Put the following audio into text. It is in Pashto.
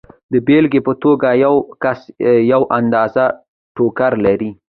د بېلګې په توګه یو کس یوه اندازه ټوکر لري